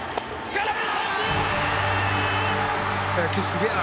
空振り三振！